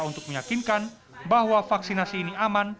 untuk meyakinkan bahwa vaksinasi ini aman